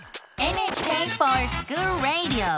「ＮＨＫｆｏｒＳｃｈｏｏｌＲａｄｉｏ」。